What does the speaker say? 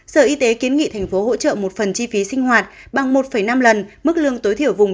sở y tế kiến nghị thành phố hỗ trợ một phần chi phí sinh hoạt bằng một năm lần mức lương tối thiểu vùng